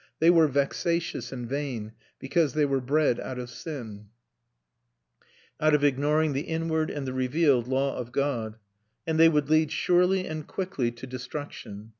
They were vexatious and vain because they were bred out of sin, out of ignoring the inward and the revealed law of God; and they would lead surely and quickly to destruction.